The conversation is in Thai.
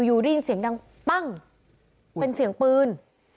อยู่ได้ยินเสียงดังปั้งเป็นเสียงปืน